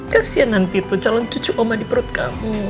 kasian nanti tuh calon cucu oma di perut kamu